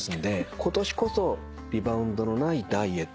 今年こそリバウンドのないダイエット